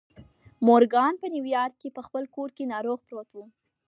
مورګان په نيويارک کې په خپل کور کې ناروغ پروت و.